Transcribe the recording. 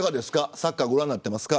サッカー、ご覧になってますか。